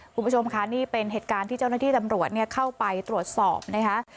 คุณผู้ชมค่ะนี่เป็นเหตุการณ์ที่เจ้าหน้าที่ตำรวจเข้าไปตรวจสอบนะคะ